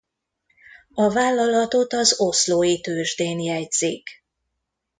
A vállalatot az Oslói Tőzsdén jegyzik.